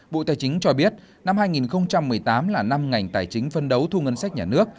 bộ tài chính cho biết năm hai nghìn một mươi tám là năm ngành tài chính phân đấu thu ngân sách nhà nước